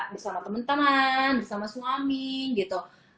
bersama teman teman bersama suami gitu